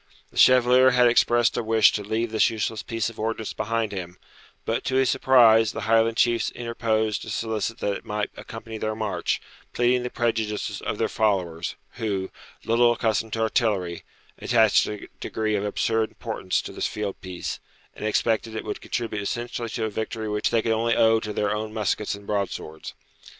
The Chevalier had expressed a wish to leave this useless piece of ordnance behind him; but, to his surprise, the Highland chiefs interposed to solicit that it might accompany their march, pleading the prejudices of their followers, who, little accustomed to artillery, attached a degree of absurd importance to this field piece, and expected it would contribute essentially to a victory which they could only owe to their own muskets and broadswords.